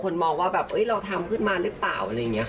กลัวไหมคะกลัวคนมองว่าเราทำขึ้นมาหรือเปล่า